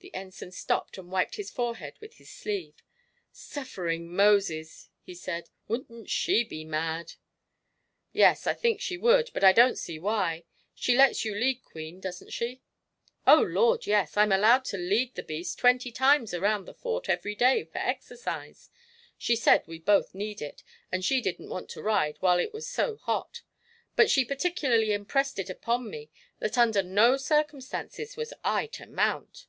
The Ensign stopped and wiped his forehead with his sleeve. "Suffering Moses!" he said, "wouldn't she be mad!" "Yes, I think she would, but I don't see why. She lets you lead Queen, doesn't she?" "Oh, Lord, yes! I'm allowed to lead the beast twenty times around the Fort every day for exercise she said we both needed it, and she didn't want to ride while it was so hot, but she particularly impressed it upon me that under no circumstances was I to mount.